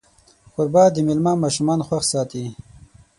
کوربه د میلمه ماشومان خوښ ساتي.